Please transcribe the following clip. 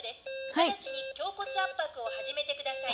直ちに胸骨圧迫を始めて下さい」。